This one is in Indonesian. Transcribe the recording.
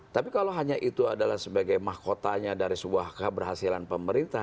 tapi kalau hanya itu adalah sebagai mahkotanya dari sebuah keberhasilan pemerintah